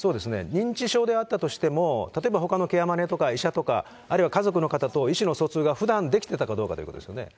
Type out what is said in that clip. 認知症であったとしても、例えばほかのケアマネとか、医者とか、あるいは家族の方とか、意思の疎通がふだんできてたかどうかということですよね。